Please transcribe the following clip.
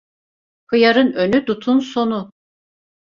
Hıyarın önü, dutun sonu.